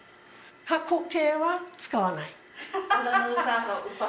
過去形は使わない。